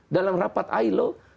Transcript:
dalam rapat ilo